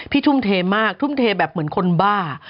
ทุ่มเทมากทุ่มเทแบบเหมือนคนบ้า